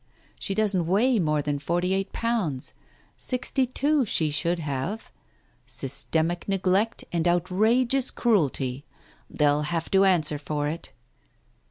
She doesn't weigh more than forty eight pounds. Sixty two she should have. Systematic neglect and outrageous cruelty! They'll have to answer for it."